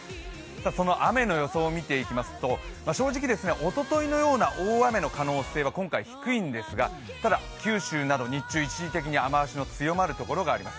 その雨の予想を見ていきますと正直、おとといのような大雨の可能性は今回低いんですが、ただ九州など日中一時的に雨足の強まるところがあります。